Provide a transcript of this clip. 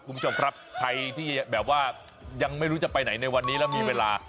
คุณผู้ชมครับใครที่แบบว่ายังไม่รู้จะไปไหนในวันนี้แล้วมีเวลา